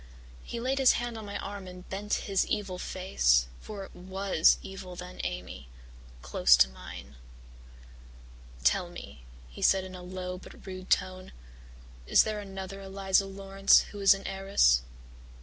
He laid his hand on my arm and bent his evil face for it was evil then, Amy close to mine. "'Tell me,' he said in a low but rude tone, 'is there another Eliza Laurance who is an heiress?'